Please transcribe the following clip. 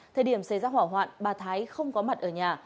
thời điểm xảy ra hỏa hoạn bà thái không có mặt ở nhà